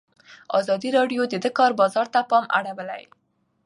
ازادي راډیو د د کار بازار ته پام اړولی.